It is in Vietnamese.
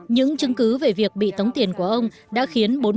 những chứng cứ về việc bị tống tiền của ông đã khiến bốn mươi tên bị bắt và kết án